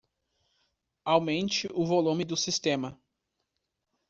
Aumente o volume do sistema.